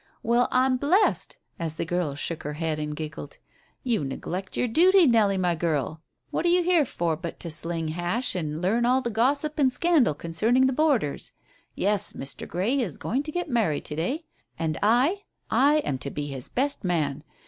"Well, I'm blessed," as the girl shook her head and giggled. "You neglect your duty, Nellie, my girl. What are you here for but to 'sling hash' and learn all the gossip and scandal concerning the boarders? Yes, Mr. Grey is going to get married to day, and I I am to be his best man.